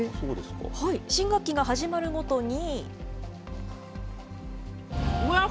新学期が始まるごとに。